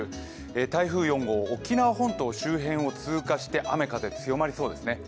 台風４号、沖縄本島周辺を通過して雨風強まりそうですね。